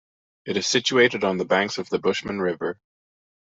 It is situated on the banks of the Bushman River.